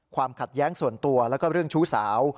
ความขัดแย้งส่วนตัวแล้วก็เรื่องชู้สาว